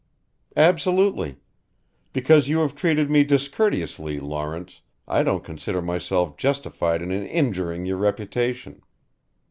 "Absolutely. Because you have treated me discourteously, Lawrence I don't consider myself justified in injuring your reputation.